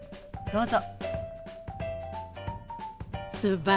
どうぞ。